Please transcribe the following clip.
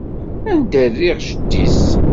Anda i rriɣ jeddi-s?